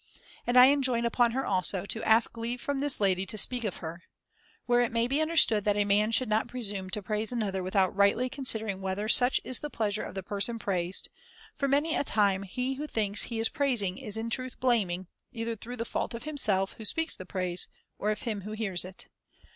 And I enjoin upon her also, to ask leave from this lady to speak of her. Where it may be understood that a man should not presume to praise another without rightly considering whether such is the pleasure of the person praised ; for many a time he who thinks he is praising is in truth blaming, either through the fault of himself, who speaks the praise, or of him who hears it.